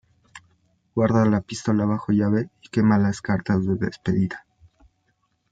Guarda la pistola bajo llave y quema las cartas de despedida.